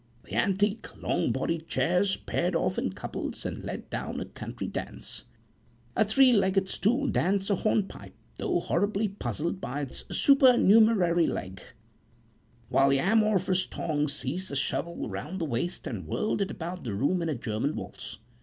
The antique, long bodied chairs paired off in couples and led down a country dance; a three legged stool danced a hornpipe, though horribly puzzled by its supernumerary leg; while the amorous tongs seized the shovel round the waist, and whirled it about the room in a German waltz.